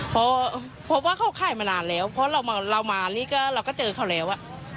เพราะว่าเขาขายมานานแล้วเพราะเรามานี่ก็เราก็เจอเขาแล้ว